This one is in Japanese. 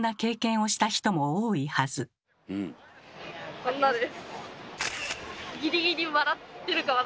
こんなです。